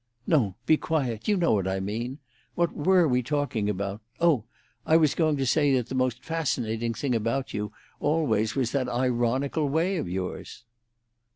"No—be quiet! You know what I mean. What were we talking about? Oh! I was going to say that the most fascinating thing about you always was that ironical way of yours."